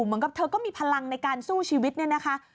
เหมือนกับเธอก็มีพลังในการสู้ชีวิตเนี่ยนะคะ